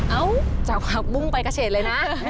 เอ้าจากผักบุ้งไปกระเฉดเลยนะ